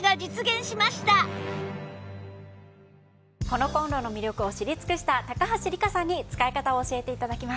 このコンロの魅力を知り尽くした高橋利果さんに使い方を教えて頂きます。